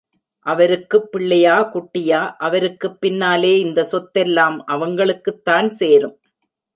அவருக்குப் பிள்ளையா குட்டியா, அவருக்குப் பின்னாலே இந்த சொத்தெல்லாம் அவங்களுக்குத்தான் சேரும்.